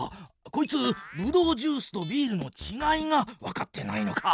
こいつブドウジュースとビールのちがいがわかってないのか。